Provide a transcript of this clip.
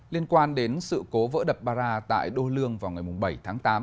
liên quan đến sự cố vỡ đập bara tại đô lương vào ngày bảy tháng tám